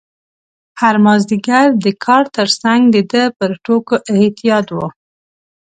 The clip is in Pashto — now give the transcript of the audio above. هره مازدیګر د کار ترڅنګ د ده پر ټوکو اعتیاد و.